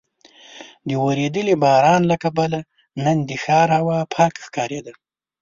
د ورېدلي باران له کبله نن د ښار هوا پاکه ښکارېده.